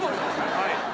はい。